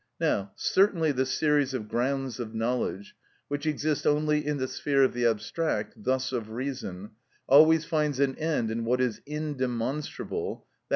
Now, certainly the series of grounds of knowledge, which exist only in the sphere of the abstract, thus of reason, always finds an end in what is indemonstrable, _i.